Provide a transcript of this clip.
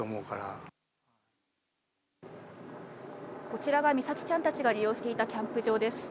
こちらが美咲ちゃんたちが利用していたキャンプ場です。